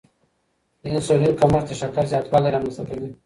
د انسولین کمښت د شکر زیاتوالی رامنځته کوي.